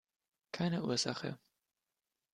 Keine Ursache!